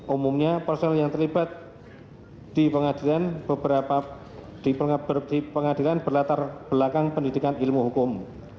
umumnya personal yang terlibat di pengadilan berlatar belakang pendidikan ilmu hukum